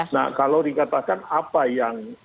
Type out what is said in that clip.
nah kalau dikatakan apa yang